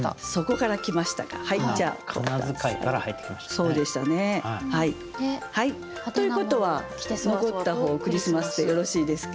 そうでしたね。ということは残った方が「クリスマス」でよろしいですか？